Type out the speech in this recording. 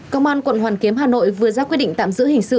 công an quận hoàn kiếm hà nội vừa ra quyết định tạm giữ hình sự